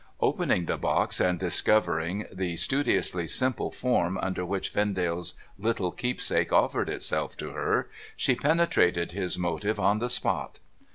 Opening the box, and discovering the studiously simple form under which Vendale's little keepsake offered itself to her, she penetrated his motive on the spot.